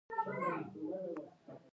غړي باید د ښه شهرت لرونکي وي.